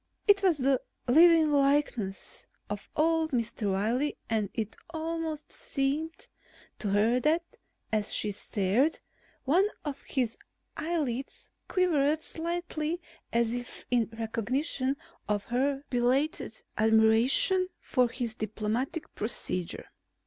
It was the living likeness of old Mr. Wiley and it almost seemed to her that, as she stared, one of his eyelids quivered slightly as if in recognition of her belated admiration for his diplomatic procedure.